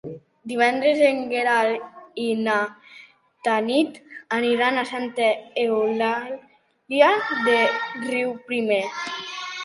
Divendres en Gerai i na Tanit aniran a Santa Eulàlia de Riuprimer.